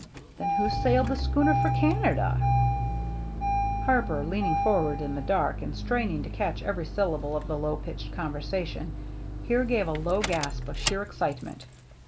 " Then who sailed the schooner for Can ada ?" Harper, leaning forward in the dark and straining to catch every syllable of the low pitched conversation, here gave a low gasp of sheer excitement.